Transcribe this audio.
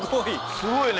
すごいね。